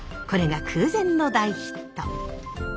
これが空前の大ヒット。